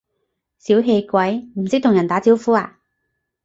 小氣鬼，唔識同人打招呼呀？